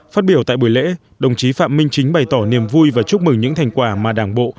phát biểu tại buổi lễ đồng chí phạm minh chính bày tỏ niềm vui và chúc mừng những thành quả mà đảng bộ